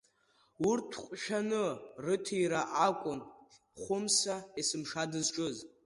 Урҭ ҟәшәаны, рыҭира акәын Хәымса есымша дызҿыз.